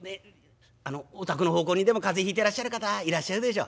あのお宅の奉公人でも風邪ひいてらっしゃる方いらっしゃるでしょ？」。